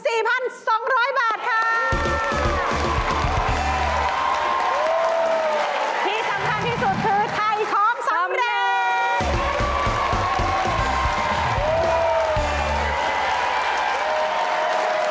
ที่สำคัญที่สุดคือไทยของสำเร็จ